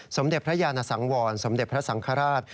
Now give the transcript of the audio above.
สมเด็จพระยานสังวรสมเด็จพระสังฆราช